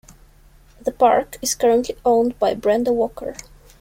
The park is currently owned by Brenda Walker.